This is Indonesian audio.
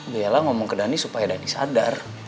dialah ngomong ke dhani supaya dhani sadar